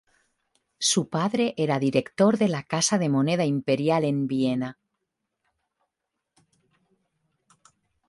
Su padre era director de la casa de moneda imperial en Viena.